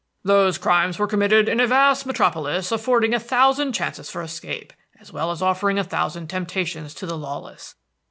"Those crimes were committed in a vast metropolis affording a thousand chances for escape, as well as offering a thousand temptations to the lawless.